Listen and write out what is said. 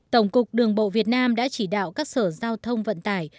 tổng cục đường bộ việt nam đã chỉ đạo các sở giao thông vận tải